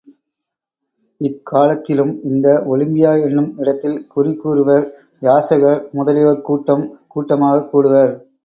இக்காலத்திலும் இந்த ஒலிம்பியா என்னும் இடத்தில் குறி கூறுவர், யாசகர் முதலியோர் கூட்டம் கூட்டமாகக் கூடுவர்.